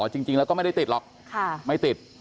จริงแล้วก็ไม่ได้ติดหรอกไม่ติด